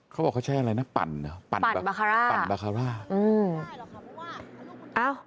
เขาบอกว่าใช่อะไรนะปั่นปั่นบาคาร่า